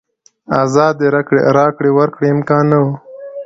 ازادې راکړې ورکړې امکان نه و.